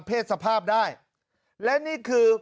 สภาพได้และนี่คือ